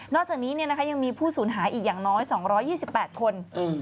อกจากนี้ยังมีผู้สูญหายอีกอย่างน้อย๒๒๘คน